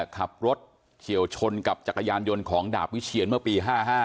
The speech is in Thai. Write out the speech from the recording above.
ขับรถเฉียวชนกับจักรยานยนต์ของดาบวิเชียนเมื่อปี๕๕